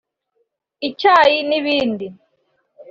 icyayi n’ibindi